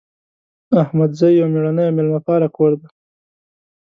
احمدزی یو میړنۍ او میلمه پاله کور ده